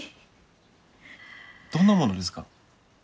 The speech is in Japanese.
どんなものですか？